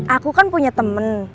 aku kan punya temen